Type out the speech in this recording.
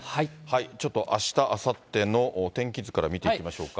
ちょっとあした、あさっての天気図から見ていきましょうか。